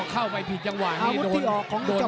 พอเข้าไปผิดจังหวะนี้โดนโกรธแรม